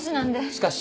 しかし。